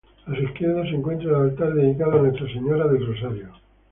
A su izquierda se encuentra el altar dedicado a Nuestra Señora del Rosario.